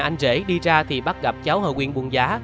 y hồng buông giá đã bị bắt gặp cháu hồ quyền buông giá